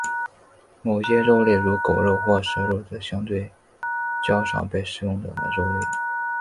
某些肉类如狗肉或蛇肉则是相对较少被食用的肉类。